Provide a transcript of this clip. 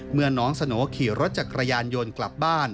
เมื่อน้องสโนขี่รถจักรยานยนต์กลับบ้าน